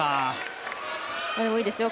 でもいいですよ